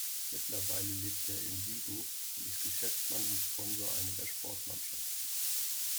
Mittlerweile lebt er in Vigo und ist Geschäftsmann und Sponsor einiger Sportmannschaften.